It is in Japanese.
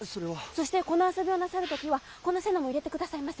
そしてこの遊びをなさる時はこの瀬名も入れてくださいませ！